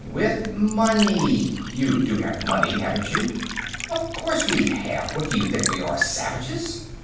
"With money. You do have money, haven't you?" "Of course we have. What do you think we are, savages?"